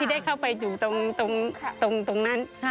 ได้เข้าไปอยู่ตรงนั้น